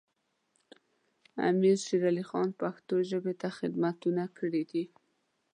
امیر شیر علی خان پښتو ژبې ته خدمتونه کړي دي.